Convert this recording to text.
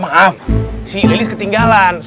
bapak security bawa